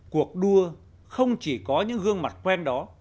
cuộc đua không chỉ có những gương mặt quen đó